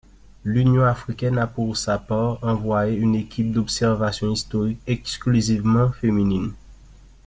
L'Union africaine a pour sa part envoyée une équipe d'observation historique exclusivement féminine.